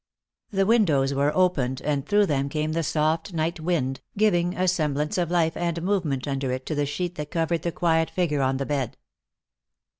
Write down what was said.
The windows were opened, and through them came the soft night wind, giving a semblance of life and movement under it to the sheet that covered the quiet figure on the bed.